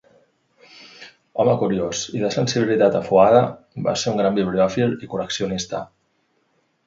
Home curiós i de sensibilitat afuada, va ser un gran bibliòfil i col·leccionista.